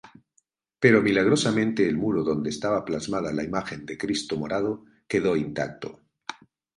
Pero milagrosamente el muro donde estaba plasmada la imagen del Cristo Morado quedó intacto.